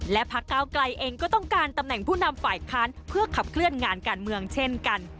และพักเก้าไกลเองก็ต้องการตำแหน่งผู้นำฝ่ายค้านเพื่อขับเคลื่อนงานการเมืองเช่นกัน